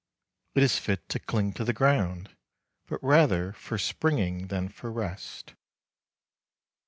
It is fit to cling to the ground, but rather for springing than for rest.